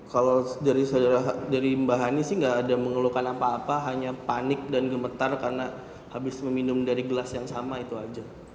kalau dari saudara dari mbak hani sih nggak ada mengeluhkan apa apa hanya panik dan gemetar karena habis meminum dari gelas yang sama itu aja